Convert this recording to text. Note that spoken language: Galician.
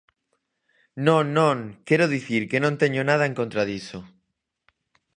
Non, non, quero dicir que non teño nada en contra diso.